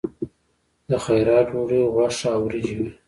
د خیرات ډوډۍ غوښه او وریجې وي.